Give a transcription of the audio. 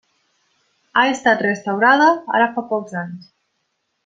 Ha estat restaurada ara fa pocs anys.